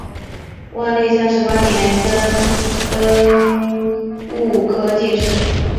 万历三十八年登庚戌科进士。